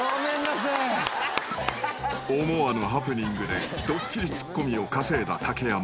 ［思わぬハプニングでドッキリツッコミを稼いだ竹山］